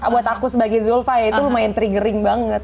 buat aku sebagai zulfa ya itu lumayan triggering banget